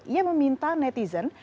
ia meminta netizen